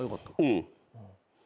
うん。